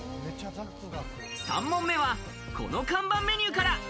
３問目はこの看板メニューから。